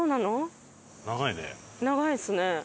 長いですね。